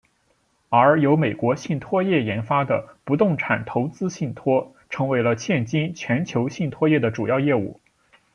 而由美国信托业研发的不动产投资信托成为了现今全球信托业的主要业务。